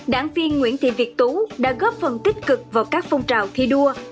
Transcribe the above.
đảng viên nguyễn thị việt tú đã góp phần tích cực vào các phong trào thi đua